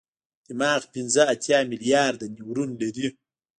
دماغ پنځه اتیا ملیارده نیورون لري.